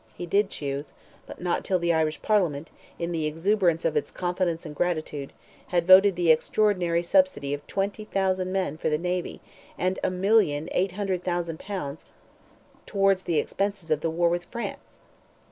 He did choose—but not till the Irish Parliament, in the exuberance of its confidence and gratitude, had voted the extraordinary subsidy of 20,000 men for the navy, and _a million, eight hundred thousand pounds, towards the expenses of the war with France!